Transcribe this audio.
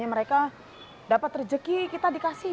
mereka dapat rejeki kita dikasih